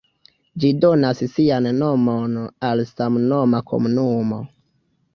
Ĝi donas sian nomon al samnoma komunumo.